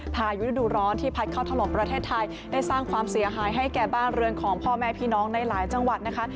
พายุฤดูร้อนที่พัดเข้าถล่มประเทศไทยได้สร้างความเสียหายให้แก่บ้านเรือนของพ่อแม่พี่น้องในหลายจังหวัดนะคะ